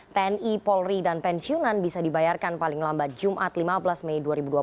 tni polri dan pensiunan bisa dibayarkan paling lambat jumat lima belas mei dua ribu dua puluh